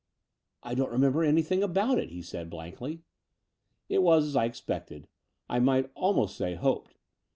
I don't remember anything about it," he said blankly. It was as I expected, I might almost say, hoped.